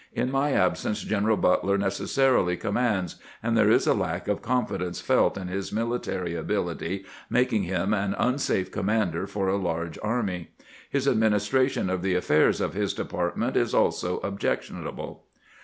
In my absence General Butler necessarily commands, and there is a lack of confidence felt in his military ability, making him an unsafe commander for a large army. His adminis tration of the affairs of his department is also objec tionable."